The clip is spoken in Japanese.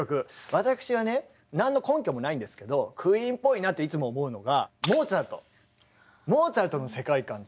私はね何の根拠もないんですけどクイーンっぽいなっていつも思うのがモーツァルト。